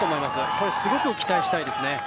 これ、すごく期待したいです。